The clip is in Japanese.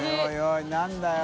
い何だよ？